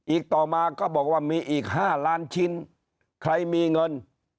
ต่อมาก็บอกว่ามีอีก๕ล้านชิ้นใครมีเงิน